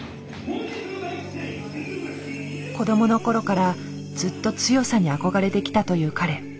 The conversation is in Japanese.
子どもの頃からずっと「強さ」に憧れてきたという彼。